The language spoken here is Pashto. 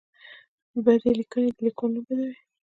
بدې لیکنې د لیکوال نوم بدوي.